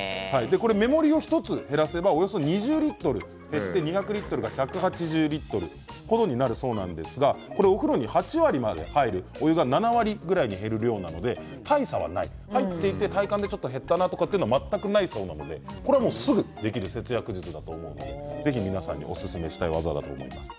目盛りを１つ減らせばおよそ２０リットル減って２００リットルが１８０リットル程になるそうなんですがお風呂に８割まで入るお湯が７割ぐらいに減る量なので大差はない入っていて体感でちょっと減ったなという点が全くないそうなのでこれはすぐできる節約術だと思いますのでぜひ皆さんにおすすめしたい技だと思います。